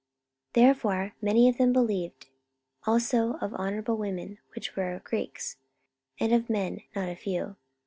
44:017:012 Therefore many of them believed; also of honourable women which were Greeks, and of men, not a few.